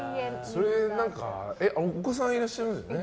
お子さんいらっしゃいますよね。